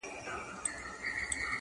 د بازانو د مرغانو ننداره وه -